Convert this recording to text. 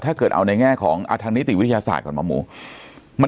ถ้าเกิดเอาในแง่ของอัธรณิติวิทยาศาสตร์ก่อนมม